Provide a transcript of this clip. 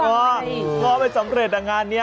ง้อไม่สำเร็จในงานเนี่ย